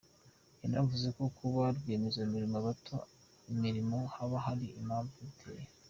Yanavuze ko kuba rwiyemezamirimo bata imirimo haba hari impamvu yabiteye.